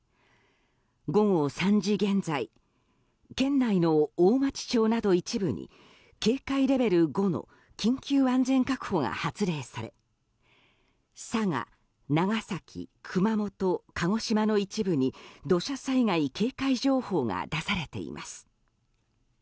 午後３時現在県内の大町町など一部に警戒レベル５の緊急安全確保が発令され佐賀、長崎、熊本鹿児島の一部に土砂災害警戒情報が出されています。